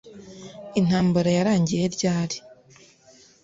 intambara yarangiye ryari